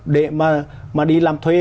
để mà đi làm thuê